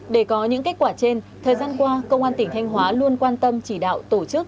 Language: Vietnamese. để có những kết quả trên thời gian qua công an tỉnh thanh hóa luôn quan tâm chỉ đạo tổ chức